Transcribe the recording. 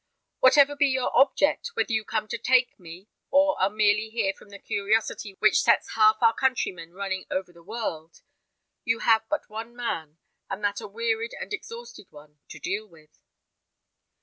"Whatever be your object, whether you come to take me, or are merely here from the curiosity which sets half our countrymen running over the world, you have but one man, and that a wearied and exhausted one, to deal with."